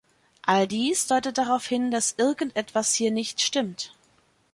All dies deutet darauf hin, dass irgendetwas hier nicht stimmt.